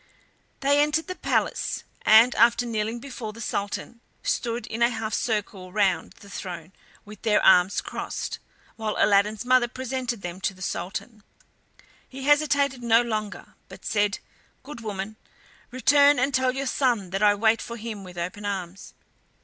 They entered the palace, and, after kneeling before the Sultan, stood in a half circle round the throne with their arms crossed, while Aladdin's mother presented them to the Sultan. He hesitated no longer, but said: "Good woman, return and tell your son that I wait for him with open arms."